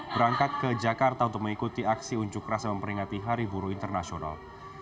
berangkat ke jakarta untuk mengikuti aksi unjuk rasa memperingati hari buruh internasional